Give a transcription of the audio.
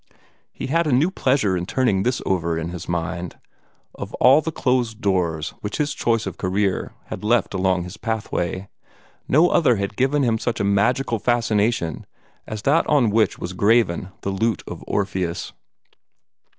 He had a new pleasure in turning this over in his mind. Of all the closed doors which his choice of a career had left along his pathway, no other had for him such a magical fascination as that on which was graven the lute of Orpheus.